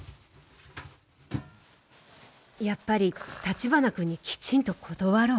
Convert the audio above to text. やっぱり橘君にきちんと断ろう。